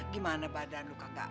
gimana badan lu kagak